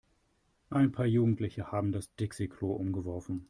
Ein paar Jugendliche haben das Dixi-Klo umgeworfen.